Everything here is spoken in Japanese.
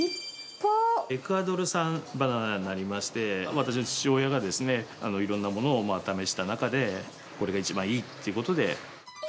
エクアドル産バナナになりまして、私の父親がいろんなものを試した中で、これが一番いいってことで。